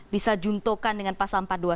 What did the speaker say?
bisa juntokan dengan pasal empat ratus dua puluh